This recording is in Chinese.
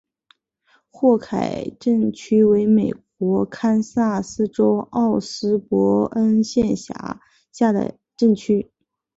霍凯镇区为美国堪萨斯州奥斯伯恩县辖下的镇区。